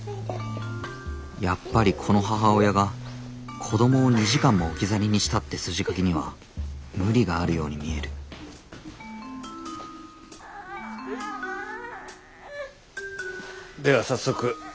やっぱりこの母親が子供を２時間も置き去りにしたって筋書きには無理があるように見えるでは早速よろしいですか。